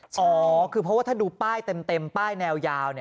อ๋อคือเพราะว่าถ้าดูป้ายเต็มป้ายแนวยาว